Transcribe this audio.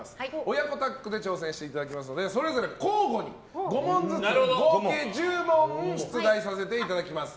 親子タッグで挑戦していただきますのでそれぞれ交互に５問ずつ、合計１０問出題させていただきます。